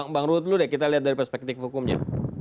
bang ruth kita lihat dari perspektif hukumnya